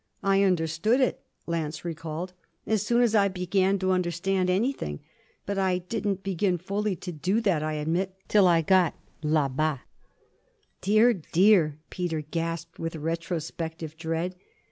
I understood it,' Lance recalled, 'as soon as I began to understand anything. But I didn't begin fully to do that, I admit, till I got là bas.' 'Dear, dear!' Peter gasped with retrospective dread.